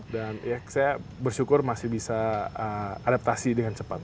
dan ya saya bersyukur masih bisa adaptasi dengan cepat